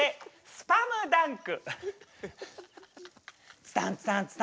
スパムダンク！